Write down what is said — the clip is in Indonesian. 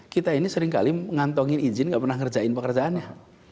kita ini seringkali mengantongi izin nggak pernah ngerjain pekerjaannya